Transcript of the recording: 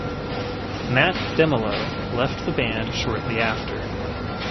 Mat Demelo left the band shortly after.